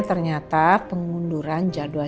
ternyata pengunduran jadwal